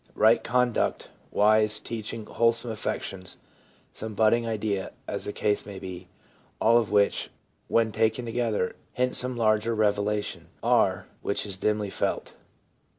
right conduct, wise teaching, wholesome affections, some budding idea, as the case may be — all of which, when taken together, hint some larger revela tion, r, which is dimly felt.